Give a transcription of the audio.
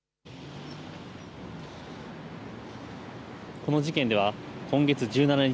この事件では、今月１７日、